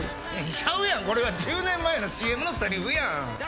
ちゃうやん、これは１０年前のＣＭのせりふやん！